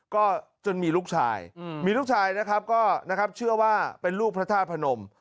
ก็จนมีลูกชายมีลูกชายนะครับก็นะครับเชื่อว่าเป็นลูกพระธาตุพนม